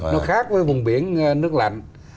nó khác với vùng biển nước lạnh